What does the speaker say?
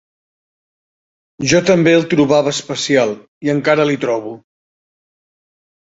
Jo també el trobava especial, i encara l'hi trobo.